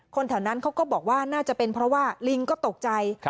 แถวนั้นเขาก็บอกว่าน่าจะเป็นเพราะว่าลิงก็ตกใจ